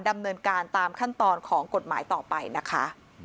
ดำเนินการตามขั้นตอนของกฎหมายต่อไปนะคะ